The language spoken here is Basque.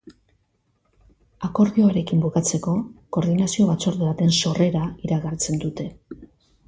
Akordioarekin bukatzeko Koordinazio Batzorde baten sorrera iragartzen dute.